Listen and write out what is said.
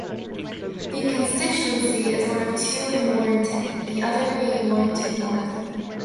The constituency is one of two in Warrington, the other being Warrington North.